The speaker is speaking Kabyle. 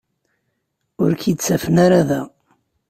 Ur k-id-ttafen ara da.